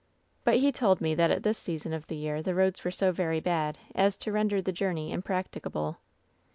"But he told me that at this season of the year the roads were so very bad as to render the journey imprac ticable.